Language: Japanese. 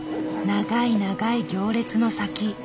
長い長い行列の先。